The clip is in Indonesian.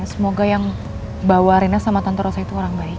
semoga yang bawa rena sama tante rosa itu orang baik ya